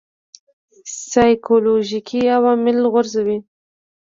سایکولوژیکي عوامل غورځوي.